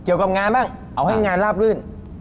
เกี่ยวกับงานบ้างเอาให้งานลาบลื่น